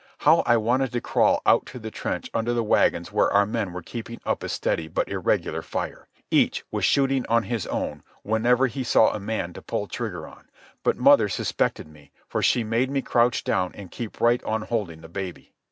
How I wanted to crawl out to the trench under the wagons where our men were keeping up a steady but irregular fire! Each was shooting on his own whenever he saw a man to pull trigger on. But mother suspected me, for she made me crouch down and keep right on holding the baby.